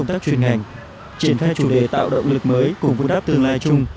triển khai chủ đề tạo động lực mới cùng vươn đáp tương lai chung